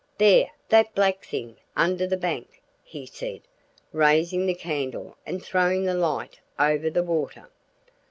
"There, that black thing under the bank," he said, raising his candle and throwing the light over the water.